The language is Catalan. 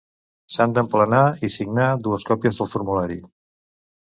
S'han d'emplenar i signar dues còpies del formulari.